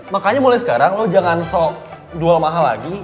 makanya mulai sekarang lo jangan sok jual mahal lagi